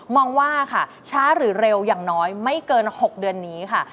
มองว่าค่ะช้าหรือเร็วอย่างน้อยไม่เกิน๖เดือนนี้ค่ะ